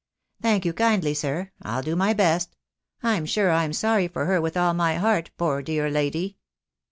"Thank you kindly, sir. I'll do my best. I'm sure I'm sorry for her with all my heart, poor dear lady."